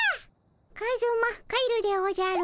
カズマ帰るでおじゃる。